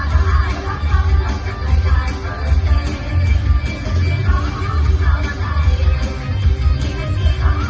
เผื่อว่าคุ้มกันทั้งส่วนของส่วนพอดีมันล้วนอ่าอ่าอ่าอ่าอ่าอ่าอ่าอ่า